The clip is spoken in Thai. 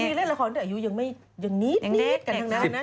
เพราะพวกนี้เล่นละครอายุยังไม่ยังนิดกันดังนั้นนะ